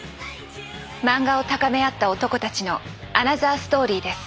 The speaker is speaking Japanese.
漫画を高め合った男たちのアナザーストーリーです。